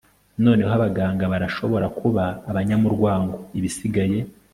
noneho abaganga barashobora kuba abanyamurwango. ibisigaye